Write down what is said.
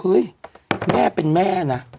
เฮ้ยแม่เป็นแม่นะ